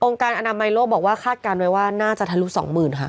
การอนามัยโลกบอกว่าคาดการณ์ไว้ว่าน่าจะทะลุสองหมื่นค่ะ